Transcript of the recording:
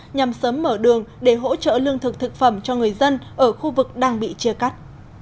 nhằm sớm mở đường để hỗ trợ lương thực thực phẩm cho người dân ở khu vực đang bị chia cắt